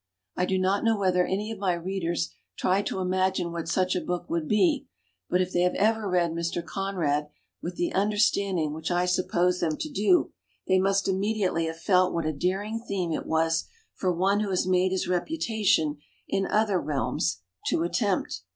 I do not know whether any of my readers tried to imagine what such a book would be, but if they ever read Mr. Conrad with the understanding which I suppose them to do, they must immediately have felt what a daring theme it was for one who has made his reputation in other realms to attempt.